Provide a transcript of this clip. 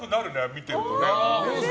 見ているとね。